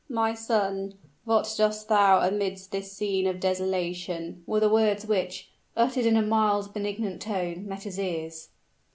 "My son, what dost thou amidst this scene of desolation?" were the words which, uttered in a mild benignant tone, met his ears.